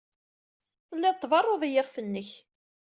Telliḍ tberruḍ i yiɣef-nnek.